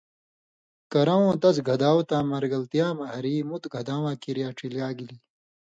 کرؤوں تس گھداؤ تاں مرگلتیا مہ ہری مُت گھداواں کریا ڇېلا گِلیۡ۔